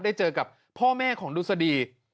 ได้เจอกับพ่อแม่ของดุสดี